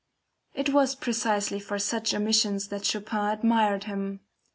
It was precisely for such omissions that Chopin admired him.